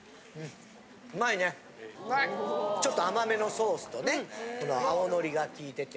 ちょっと甘めのソースとね青のりが利いてて。